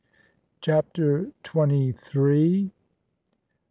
CHAPTER TWENTY THREE.